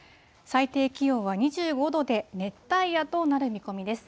最低気温は２５度で、熱帯夜となる見込みです。